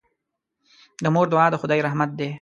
د مور دعا د خدای رحمت دی.